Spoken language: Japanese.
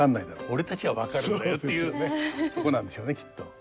俺たちは分かるんだよ」っていうねとこなんでしょうねきっと。